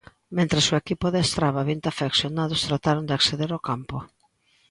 Mentres o equipo adestraba vinte afeccionados trataron de acceder ó campo.